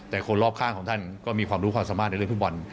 แต่คนรอบข้างของท่านก็มีความรู้ความสามารถในเรื่องฟุตบอล